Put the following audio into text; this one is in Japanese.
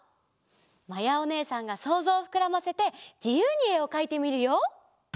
まやおねえさんがそうぞうをふくらませてじゆうにえをかいてみるよ。